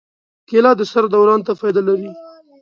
کېله د سر دوران ته فایده لري.